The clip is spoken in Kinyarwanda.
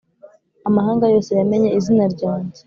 amahanga yose yamenye izina ryanjye.